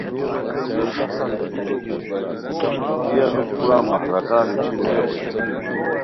ای انوس کورا مہراکا نیشرو بیرائے